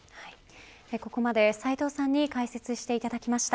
ここまで斎藤さんに解説していただきました。